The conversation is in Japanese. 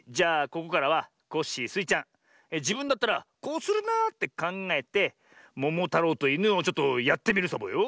ここからはコッシースイちゃんじぶんだったらこうするなってかんがえてももたろうといぬをちょっとやってみるサボよ。